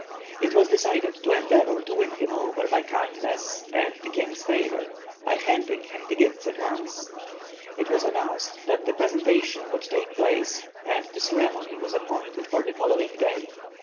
It was decided to endeavor to win him over by kindness and the king's favor, by handing him the gifts at once. It was announced that the presentation would take place and the ceremony was appointed for the following day.